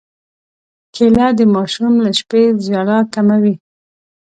کېله د ماشوم له شپې ژړا راکموي.